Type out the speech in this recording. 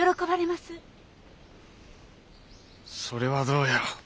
それはどうやろ。